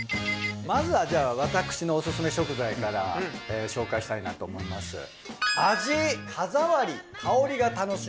まずはじゃあ私のオススメ食材から紹介したいなと思います。